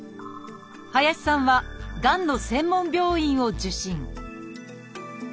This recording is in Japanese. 林さんはがんの専門病院を受診